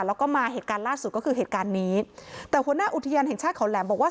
แล้วก็มาเหตุการณ์ล่าสุดก็คือเหตุการณ์นี้แต่หัวหน้าอุทยานแห่งชาติเขาแหลมบอกว่า